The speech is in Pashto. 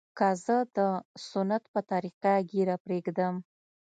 که زه د سنت په طريقه ږيره پرېږدم.